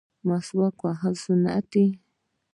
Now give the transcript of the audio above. مسواک وهل سنت دي